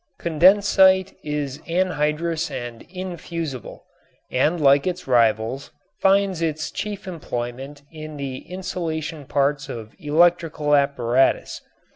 Condensite is anhydrous and infusible, and like its rivals finds its chief employment in the insulation parts of electrical apparatus.